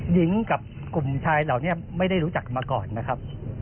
หญิงกับกลุ่มชายเหล่านี้ไม่ได้รู้จักกันมาก่อนนะครับ